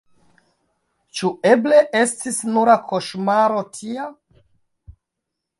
Ĉu eble estis nura koŝmaro tia?